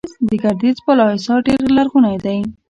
د ګردیز بالاحصار ډیر لرغونی دی